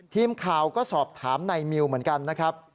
ทีมข่าวก็สอบถามนายมิวเหมือนกันนะครับ